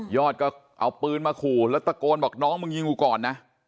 อดก็เอาปืนมาขู่แล้วตะโกนบอกน้องมึงยิงกูก่อนนะ